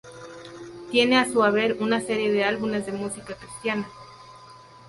Tiene a su haber una serie de álbumes de música cristiana.